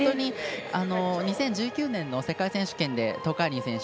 ２０１９年の世界選手権で東海林選手